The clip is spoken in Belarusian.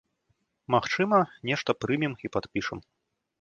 Магчыма, нешта прымем і падпішам.